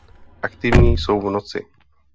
Aktivní jsou v noci.